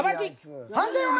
判定は？